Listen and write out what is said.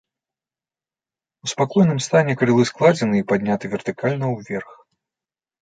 У спакойным стане крылы складзены і падняты вертыкальна ўверх.